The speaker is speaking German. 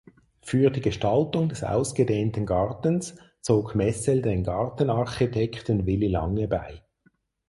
Für die Gestaltung des ausgedehnten Gartens zog Messel den Gartenarchitekten Willy Lange bei.